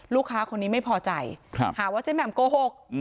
ลูกค้าคนนี้ไม่พอใจหาว่าเจ๊แหม่มโกหก